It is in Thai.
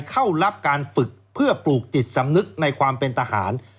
เข้ารับการฝึกเพื่อปลูกจิตสำนึกในความเป็นทหาร